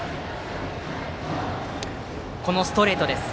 このストレートです。